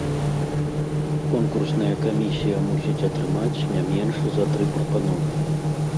Конкурсная камісія мусіць атрымаць не менш за тры прапановы.